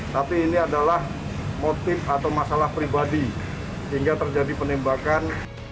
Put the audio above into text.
tapi ini adalah motif atau masalah pribadi hingga terjadi penembakan